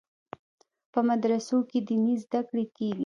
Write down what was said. په مدرسو کې دیني زده کړې کیږي.